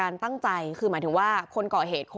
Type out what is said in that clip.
พี่อุ๋ยพ่อจะบอกว่าพ่อจะรับผิดแทนลูก